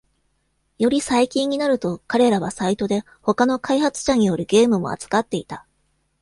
より最近になると、彼らはサイトで他の開発者によるゲームも扱っていた。